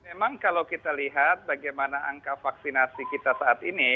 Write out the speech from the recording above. memang kalau kita lihat bagaimana angka vaksinasi kita saat ini